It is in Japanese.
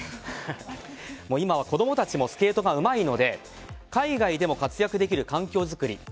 今、子供たちもスケートがうまいので海外でも活躍できる環境作り